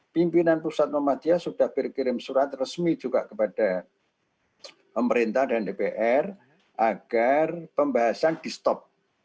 pimpinan pusat muhammadiyah sudah berkirim surat resmi juga kepada pemerintah dan dpr agar pembahasan di stop